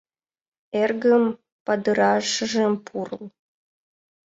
Эргым, падырашыжым пурл.